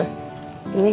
ini sih pak bos